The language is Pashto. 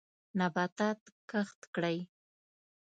نباتات کښت کړئ.